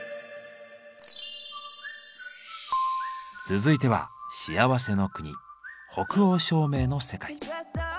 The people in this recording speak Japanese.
続いては幸せの国北欧照明の世界。